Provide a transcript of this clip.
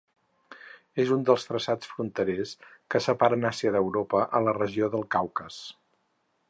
És un dels traçats fronterers que separen Àsia d'Europa, a la regió del Caucas.